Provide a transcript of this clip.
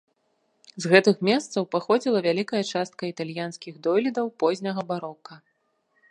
З гэтых месцаў паходзіла вялікая частка італьянскіх дойлідаў позняга барока.